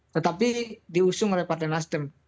tetapi diusung oleh partai nasdem